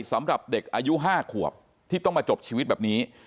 สำหรับเด็กอายุ๕ขวบที่ต้องมาจบชีวิตแบบนี้